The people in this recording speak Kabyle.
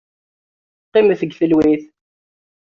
Qqimet deg talwit.